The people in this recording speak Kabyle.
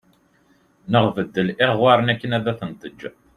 Neɣ beddel iɣewwaṛen akken ad ten-teǧǧeḍ